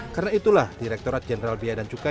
karena itulah direkturat jenderal bia dan cukai